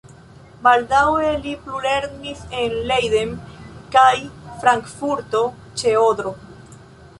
Baldaŭe li plulernis en Leiden kaj Frankfurto ĉe Odro.